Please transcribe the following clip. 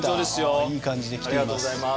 いい感じできています。